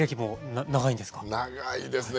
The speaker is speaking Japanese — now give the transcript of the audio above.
長いですね。